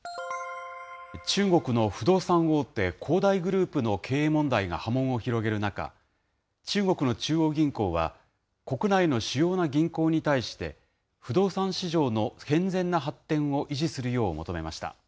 中国の不動産大手、恒大グループの経営問題が波紋を広げる中、中国の中央銀行は、国内の主要な銀行に対して、不動産市場の健全な発展を維持するよう求めました。